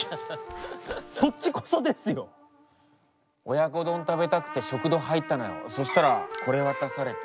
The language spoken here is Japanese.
親子丼食べたくて食堂入ったのよそしたらこれ渡されて。